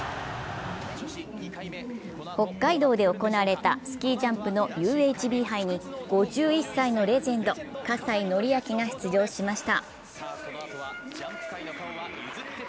北海道で行われたスキージャンプのＵＨＢ杯に５１歳のレジェンド・葛西紀明が出場しました。